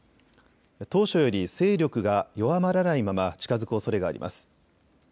当初より勢力が弱まらないまま近づくおそれがあります。